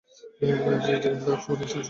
সেখানে তোমার শক্তি স্থান-সংকোচে দুঃখ পাবে না।